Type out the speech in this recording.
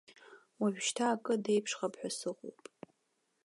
Уажәшьҭа акы деиԥшхап ҳәа сыҟоуп.